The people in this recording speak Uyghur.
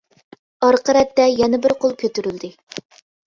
ئارقا رەتتە يەنە بىر قول كۆتۈرۈلدى.